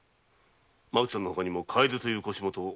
麻紀さんのほかにも「かえで」という腰元。